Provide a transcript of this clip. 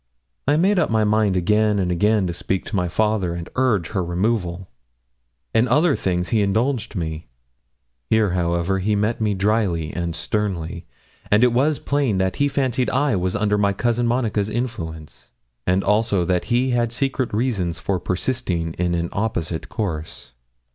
I made up my mind again and again to speak to my father and urge her removal. In other things he indulged me; here, however, he met me drily and sternly, and it was plain that he fancied I was under my cousin Monica's influence, and also that he had secret reasons for persisting in an opposite course.